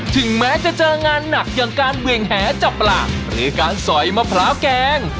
ถึงแม้จะเจองานหนักอย่างการเวียงแหจับปลาหรือการสอยมะพร้าวแกง